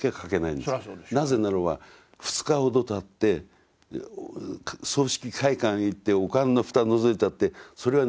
なぜならば２日ほどたって葬式会館へ行ってお棺の蓋のぞいたってそれはね